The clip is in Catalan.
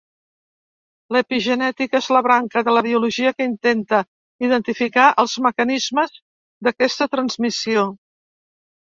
L'epigenètica és la branca de la biologia que intenta identificar els mecanismes d'aquesta transmissió.